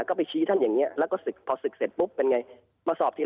ก็ไปชี้ท่านอย่างนั้นพอศึกเสร็จปุ๊บเป็นไง